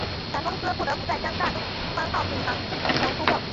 船公司不得不在将大东方号停航并寻求出售。